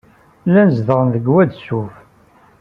Llan zedɣen deg Wad Suf.